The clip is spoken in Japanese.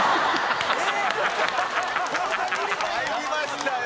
参りましたよ。